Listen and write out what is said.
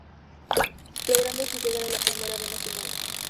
Logrando así llegar a la Primera B Nacional.